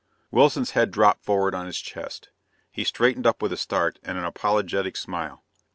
Wilson's head dropped forward on his chest. He straightened up with a start and an apologetic smile.